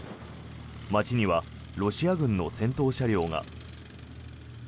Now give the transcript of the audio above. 街にはロシア軍の戦闘車両が。